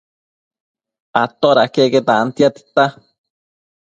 Atoda queque tantia tita